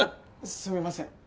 すみません。